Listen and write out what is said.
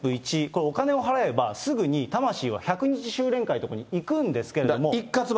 これお金を払えば、すぐに魂は１００日修錬会のところに行くんですけれども。